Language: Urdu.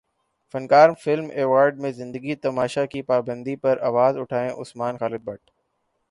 فنکار فلم ایوارڈ میں زندگی تماشا کی پابندی پر اواز اٹھائیں عثمان خالد بٹ